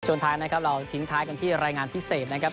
ท้ายนะครับเราทิ้งท้ายกันที่รายงานพิเศษนะครับ